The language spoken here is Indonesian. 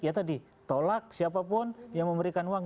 ya tadi tolak siapapun yang memberikan uang